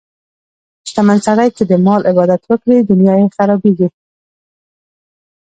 شتمن سړی که د مال عبادت وکړي، دنیا یې خرابېږي.